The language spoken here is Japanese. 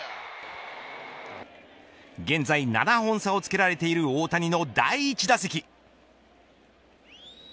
現在７本差をつけられている大谷の第１打席。